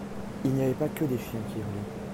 Il n'y avait pas que des chiens qui hurlaient.